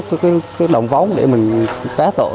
cái động vóng để mình phá tội